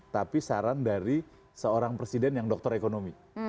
tapi saran dari seorang presiden yang doktor ekonomi